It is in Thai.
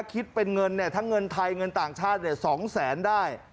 คิดเป็นเงินทั้งเงินไทยเงินต่างชาติ๒แสนได้